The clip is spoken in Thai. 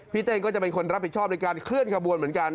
เต้นก็จะเป็นคนรับผิดชอบในการเคลื่อนขบวนเหมือนกัน